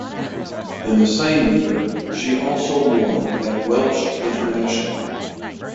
In the same year she also won at Welsh International.